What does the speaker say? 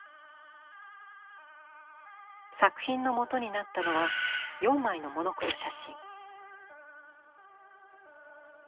作品の基になったのは４枚のモノクロ写真。